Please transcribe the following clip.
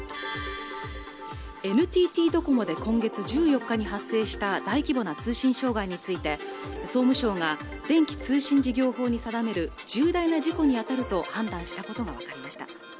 ＮＴＴドコモで今月１４日に発生した大規模な通信障害について総務省が電気通信事業法に定める重大な事故に当たると判断したことが分かりました